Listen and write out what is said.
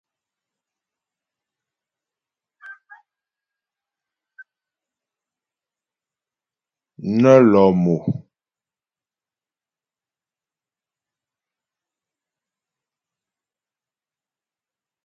Nə́ lɔ̂ mo.